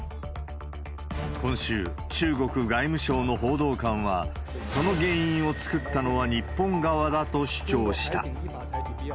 今週、中国外務省の報道官は、その原因を作ったのは日本側だと主張した。